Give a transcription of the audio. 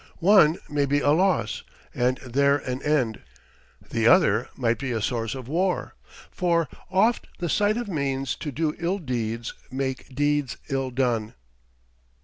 One may be a loss and there an end; the other might be a source of war, for "Oft the sight of means to do ill deeds Make deeds ill done."